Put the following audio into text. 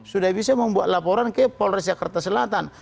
sudah bisa membuat laporan ke polres jakarta selatan